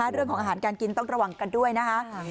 เรื่องของอาหารการกินต้องระวังกันด้วยนะคะ